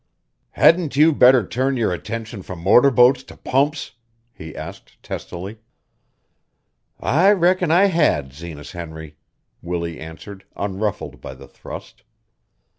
"Hadn't you better turn your attention from motor boats to pumps?" he asked testily. "I reckon I had, Zenas Henry," Willie answered, unruffled by the thrust.